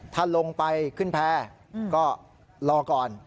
ถ้าลงไปขึ้นแพร่ก็รอก่อน